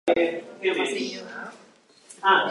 D'això, se n'ha perdut fins la memòria.